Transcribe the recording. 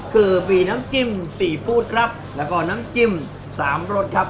คือมีน้ำจิ้มซีฟู้ดครับแล้วก็น้ำจิ้ม๓รสครับ